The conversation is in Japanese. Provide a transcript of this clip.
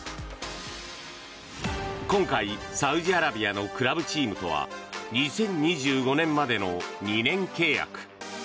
今回、サウジアラビアのクラブチームとは２０２５年までの２年契約。